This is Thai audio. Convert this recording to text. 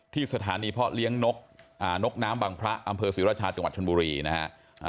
ที่สถานีเพาะเลี้ยงนกนกน้ำบังพระอำเภอศรีราชาจังหวัดชนบุรีนะฮะ